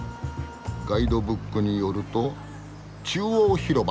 ガイドブックによると「中央広場。